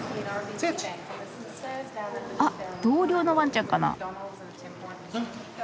あっ同僚のワンちゃんかな？